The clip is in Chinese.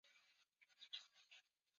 曹太后于内东门小殿垂帘听政。